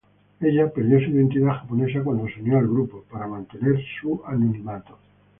Ella perdió su identidad japonesa, cuando se unió al grupo, para mantener su anonimato.